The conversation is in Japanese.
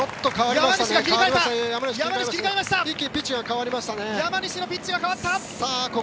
山西のピッチが変わった！